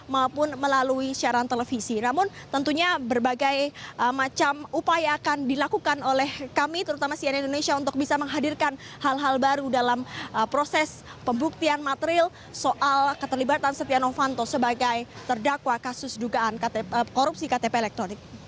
maupun melalui siaran televisi namun tentunya berbagai macam upaya akan dilakukan oleh kami terutama cnn indonesia untuk bisa menghadirkan hal hal baru dalam proses pembuktian material soal keterlibatan setia novanto sebagai terdakwa kasus dugaan korupsi ktp elektronik